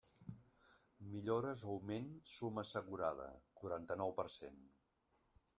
Millores augment summa assegurada: quaranta-nou per cent.